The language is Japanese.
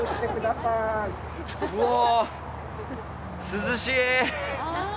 涼しい！